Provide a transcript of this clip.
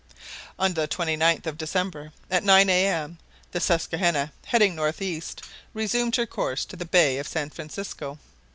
On the 29th of December, at nine A.M., the Susquehanna, heading northeast, resumed her course to the bay of San Francisco.